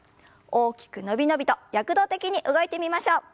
大きく伸び伸びと躍動的に動いてみましょう。